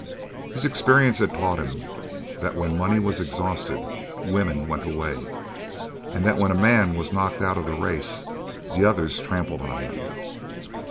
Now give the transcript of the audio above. His experience had taught him that when money was exhausted women went away, and that when a man was knocked out of the race the others trampled on him.